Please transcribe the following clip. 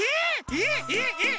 えっえっえっ！